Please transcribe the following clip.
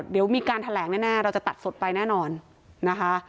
เดี๋ยวมีการแถลงแน่เราจะตัดสดไปแน่นอนนะคะ